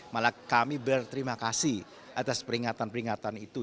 malah kami berterima kasih atas peringatan peringatan itu